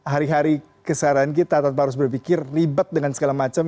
hari hari kesadaran kita tanpa harus berpikir ribet dengan segala macam